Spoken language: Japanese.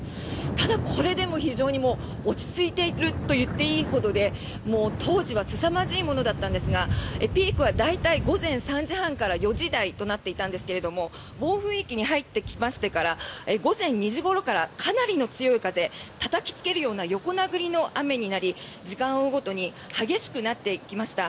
ただ、これでも非常に落ち着いていると言っていいほどでもう、当時はすさまじいものだったんですがピークは大体、午前３時半から４時台となっていたんですが暴風域に入ってきましてから午前２時ごろからかなりの強い風たたきつけるような横殴りの雨になり時間を追うごとに激しくなっていきました。